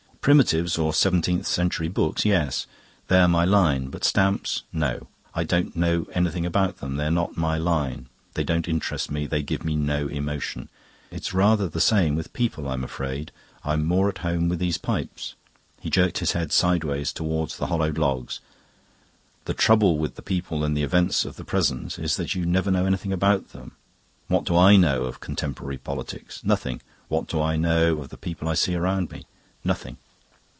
Primitives or seventeenth century books yes. They are my line. But stamps, no. I don't know anything about them; they're not my line. They don't interest me, they give me no emotion. It's rather the same with people, I'm afraid. I'm more at home with these pipes." He jerked his head sideways towards the hollowed logs. "The trouble with the people and events of the present is that you never know anything about them. What do I know of contemporary politics? Nothing. What do I know of the people I see round about me? Nothing.